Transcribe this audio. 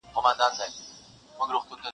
چي خوب ته راسې بس هغه شېبه مي ښه تېرېږي-